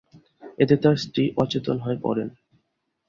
এতে তার স্ত্রী অচেতন হয়ে পড়েন।